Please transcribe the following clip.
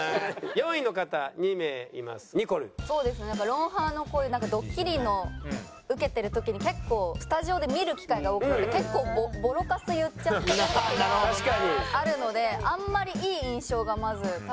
『ロンハー』のこういうドッキリのを受けてる時に結構スタジオで見る機会が多くて結構ボロカス言っちゃってる時があるのであんまりいい印象がまず多分ない。